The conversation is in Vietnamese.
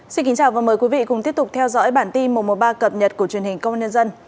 xin kính chào và mời quý vị cùng tiếp tục theo dõi bản tin một trăm một mươi ba cập nhật của truyền hình công an nhân dân